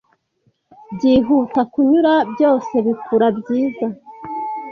Byihuta kunyura, byose bikura Byiza,